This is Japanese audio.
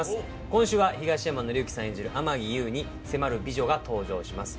今週は東山紀之さん演じる天樹悠に迫る美女が登場します。